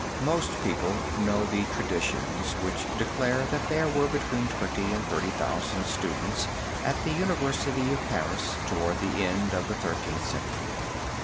Most people know the traditions which declare that there were between twenty and thirty thousand students at the University of Paris toward the end of the Thirteenth Century.